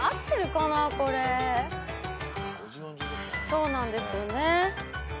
そうなんですよね。